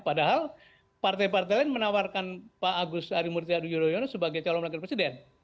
padahal partai partai lain menawarkan pak agus harimurti yudhoyono sebagai calon wakil presiden